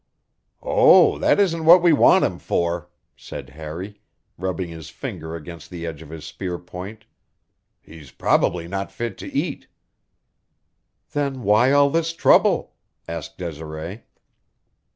"Oh, that isn't what we want him for," said Harry, rubbing his finger against the edge of his spear point. "He's probably not fit to eat." "Then why all this trouble?" asked Desiree.